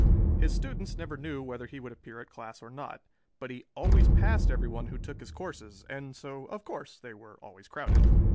His students never knew whether he would appear at class or not; but he always passed everyone who took his courses and so, of course, they were always crowded.